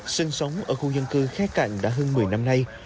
sân sống ở khu dân cư khai cạnh đã hơn một mươi năm nay